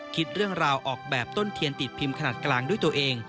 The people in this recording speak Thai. คิดเรื่องราวออกแบบต้นเทียนติดพิมพ์ขนาดกลางด้วยตัวเอง